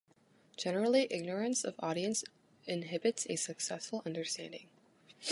Generally ignorance of audience inhibits a successful understanding.